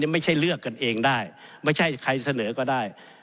ไม่ใช่เลือกกันเองได้ไม่ใช่ใครเสนอก็ได้